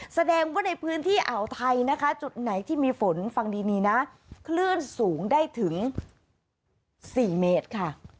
แสดงว่าในพื้นที่อ่าวไทยนะคะจุดไหนที่มีฝนฟังดีนะคลื่นสูงได้ถึง๔เมตรค่ะ